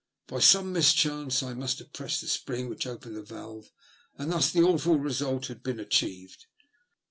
By some mis chance I must have pressed the spring which opened the valve, and thus the awful result had been achieved.